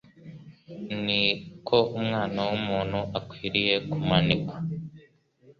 ni ko Umwana w’umuntu akwiriye kumanikwa: